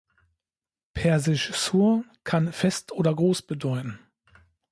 Persisch "sur" kann „Fest“ oder „groß“ bedeuten.